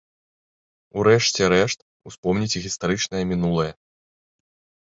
У рэшце рэшт, успомніць гістарычнае мінулае.